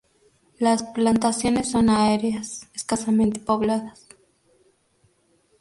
Las plantaciones son áreas escasamente pobladas.